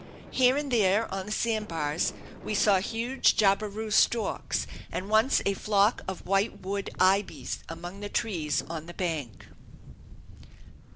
Here and there on the sand bars we saw huge jabiru storks, and once a flock of white wood ibis among the trees on the bank.